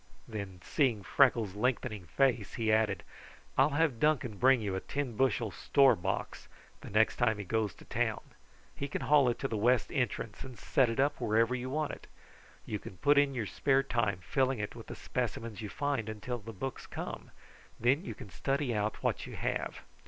Then, seeing Freckles' lengthening face, he added: "I'll have Duncan bring you a ten bushel store box the next time he goes to town. He can haul it to the west entrance and set it up wherever you want it. You can put in your spare time filling it with the specimens you find until the books come, and then you can study out what you have.